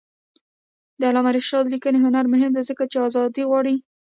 د علامه رشاد لیکنی هنر مهم دی ځکه چې آزادي غواړي.